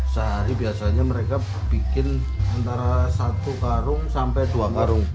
sehari biasanya mereka bikin antara satu karung sampai dua karung